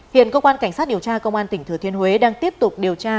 hiện công an cảnh sát điều tra công an tỉnh thứ thiên huế đang tiếp tục điều tra